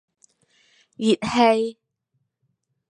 熱氣